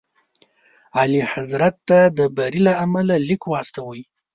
اعلیحضرت ته د بري له امله لیک واستوئ.